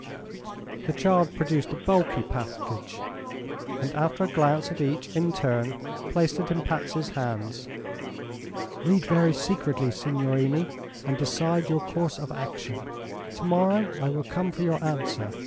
The child produced a bulky package, and after a glance at each, in turn, placed it in Patsy's hands. "Read very secretly, signorini, and decide your course of action. To morrow I will come for your answer.